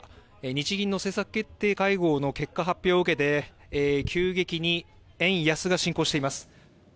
日銀の政策決定会合の結果発表を受けて急激に円安が進行しています」